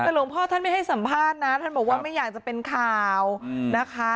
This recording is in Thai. แต่หลวงพ่อท่านไม่ให้สัมภาษณ์นะท่านบอกว่าไม่อยากจะเป็นข่าวนะคะ